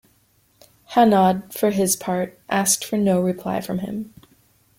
Hanaud, for his part, asked for no reply from him.